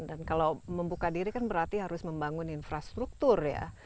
dan kalau membuka diri kan berarti harus membangun infrastruktur ya